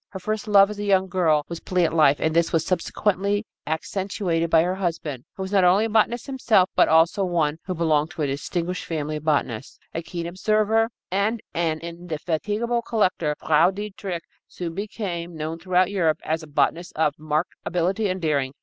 Her first love, as a young girl, was plant life, and this was subsequently accentuated by her husband, who was not only a botanist himself but also one who belonged to a distinguished family of botanists. A keen observer and an indefatigable collector, Frau Dietrich soon became known throughout Europe as a botanist of marked ability and daring.